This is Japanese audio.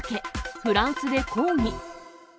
フランスで抗議。